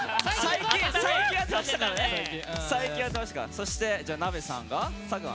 そしてじゃあなべさんが佐久間。